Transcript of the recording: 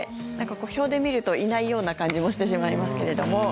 表で見ると、いないような感じもしてしまいますけども。